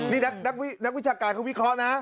นี่นักวิชาการเขาวิเคราะห์นะ